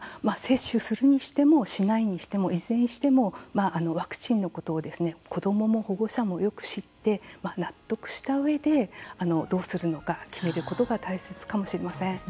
接種するにしてもしないにしても、いずれにしてもワクチンのことを子どもも保護者もよく知って納得したうえでどうするのか決めることが大切かもしれません。